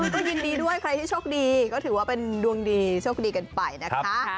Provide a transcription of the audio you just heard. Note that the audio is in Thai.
ก็ยินดีด้วยใครที่โชคดีก็ถือว่าเป็นดวงดีโชคดีกันไปนะคะ